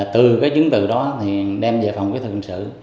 từ cái chứng từ đó thì đem về phòng cái thượng sự